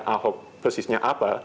ahok persisnya apa